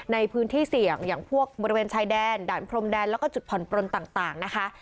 ในพื้นที่เสี่ยงอย่างพวกบริเวณชายแดนด่านพรมแดนแล้วก็จุดผ่อนปลนต่างนะคะ